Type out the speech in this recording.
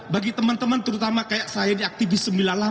bagi teman teman terutama kayak saya diaktifis sembilan puluh delapan